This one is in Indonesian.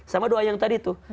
sama doa yang tadi tuh